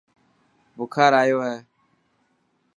بخار آيو هي ڪي.